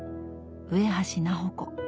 上橋菜穂子